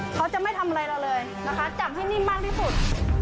เขาจะไม่ทำอะไรเราเลยนะคะจับให้นิ่มมากที่สุด